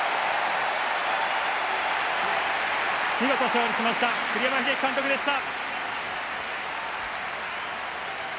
見事、勝利しました栗山英樹監督でした。